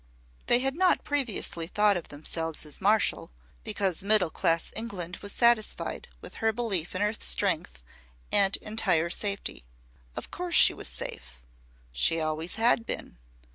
They had not previously thought of themselves as martial, because middle class England was satisfied with her belief in her strength and entire safety. Of course she was safe. She always had been.